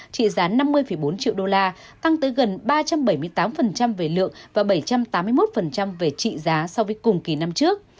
trị giá năm mươi bốn triệu đô la tăng tới gần ba trăm bảy mươi tám về lượng và bảy trăm tám mươi một về trị giá so với cùng kỳ năm trước